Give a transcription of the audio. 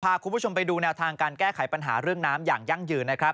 พาคุณผู้ชมไปดูแนวทางการแก้ไขปัญหาเรื่องน้ำอย่างยั่งยืนนะครับ